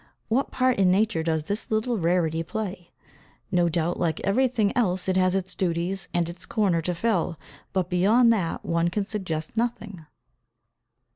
What part in nature does this little rarity play? No doubt like everything else it has its duties, and its corner to fill, but beyond that one can suggest nothing.